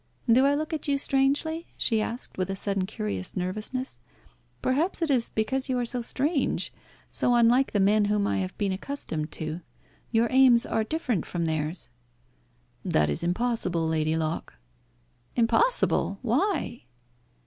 "Do I look at you strangely?" she asked, with a sudden curious nervousness. "Perhaps it is because you are so strange, so unlike the men whom I have been accustomed to. Your aims are different from theirs." "That is impossible, Lady Locke." "Impossible! Why?"